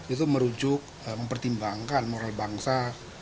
itu merujuk mempertimbangkan moral bangsa